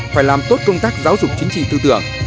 phải làm tốt công tác giáo dục chính trị tư tưởng